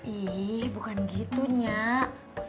ih bukan gitu nyak